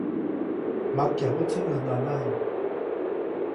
Makyajuʼtsi ʼäj nanajiʼŋ.